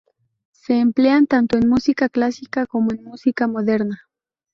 Se emplean tanto en música clásica como en música moderna.